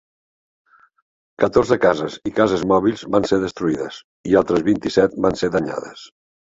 Catorze cases i cases mòbils van ser destruïdes, i altres vint-i-set van ser danyades.